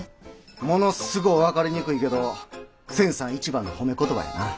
ものすご分かりにくいけど千さん一番の褒め言葉やな。